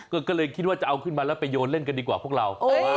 ก็เลยคิดว่าจะเอาขึ้นมาแล้วไปโยนเล่นกันดีกว่าพวกเรา